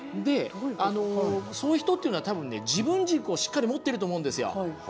そういう人っていうのは自分軸を、しっかり持っていると思うんですよ。